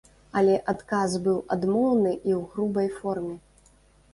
Але адказ быў адмоўны і ў грубай форме.